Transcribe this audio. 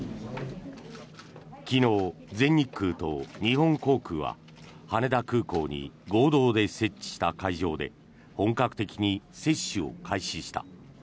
昨日、全日空と日本航空は羽田空港に合同で設置した会場で本格的に接種を開始した。